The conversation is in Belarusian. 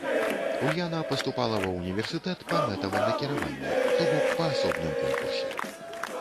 Ульяна паступала ва універсітэт па мэтавым накіраванні, то бок па асобным конкурсе.